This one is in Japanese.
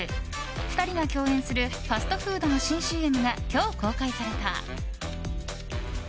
２人が共演するファストフードの新ＣＭが今日、公開された。